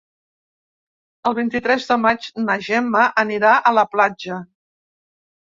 El vint-i-tres de maig na Gemma anirà a la platja.